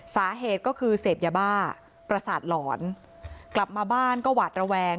สาเหตุก็คือเสพยาบ้าประสาทหลอนกลับมาบ้านก็หวาดระแวง